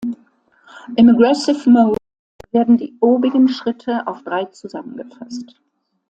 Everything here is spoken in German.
Im "Aggressive Mode" werden die obigen Schritte auf drei zusammengefasst.